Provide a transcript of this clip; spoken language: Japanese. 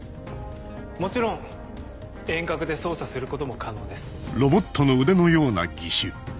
もちろん遠隔で操作することも可能です。